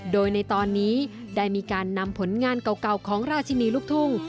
โดยในตอนนี้ได้มีการนำผลงานเก่าของราชินีลูกทุ่ง